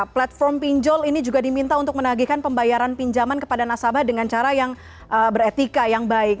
platform pinjol ini juga diminta untuk menagihkan pembayaran pinjaman kepada nasabah dengan cara yang beretika yang baik